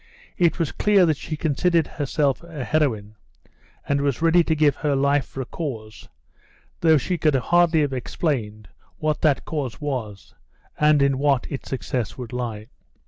It was clear that she considered herself a heroine, and was ready to give her life for a cause, though she could hardly have explained what that cause was and in what its success would lie.